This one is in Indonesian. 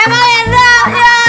emang enak ya